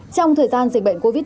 trong thời gian dịch bệnh covid